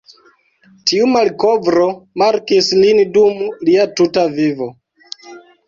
Tiu malkovro markis lin dum lia tuta vivo.